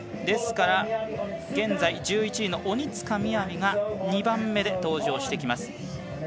ですから、現在１１位の鬼塚雅が２番目で登場します。